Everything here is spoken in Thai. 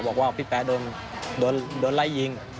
บอกว่าพี่แป๊โดนไล่ยิง